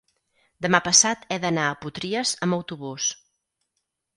Demà passat he d'anar a Potries amb autobús.